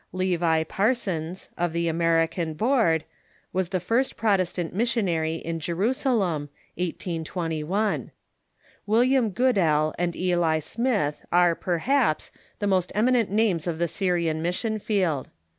Levi Parsons, of the American Board, was the first Protestant missionary in Jerusalem (1821). William Goodell and Eli Smith are, perhaps, the most eminent names of the Syrian mission field.